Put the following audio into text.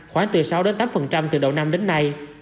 khoảng từ sáu tám từ đầu năm đến nay